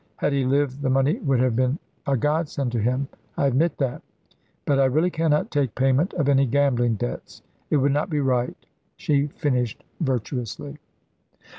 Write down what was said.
Had he lived the money would have been a godsend to him I admit that; but I really cannot take payment of any gambling debts. It would not be right," she finished virtuously.